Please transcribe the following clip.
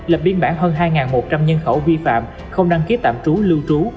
lập biên bản hơn hai một trăm linh nhân khẩu vi phạm không đăng ký tạm trú lưu trú